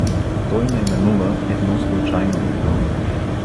Той наименува едно случайно име.